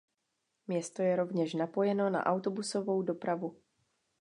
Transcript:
Město je rovněž napojeno na autobusovou dopravu.